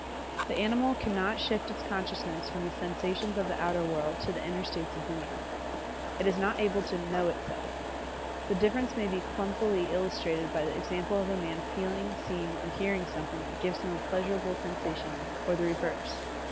The animal cannot shift its consciousness from the sensations of the outer world to the inner states of being. It is not able to "know itself." The difference may be clumsily illustrated by the example of a man feeling, seeing or hearing something that gives him a pleasurable sensation, or the reverse.